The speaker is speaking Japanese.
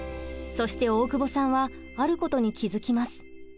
そして大久保さんはあることに気付きます。